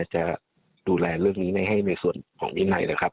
จะดูแลเรื่องนี้ให้ในส่วนของวินัยนะครับ